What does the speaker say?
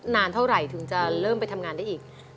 นานเท่าไหร่ถึงจะเริ่มไปทำงานได้อีก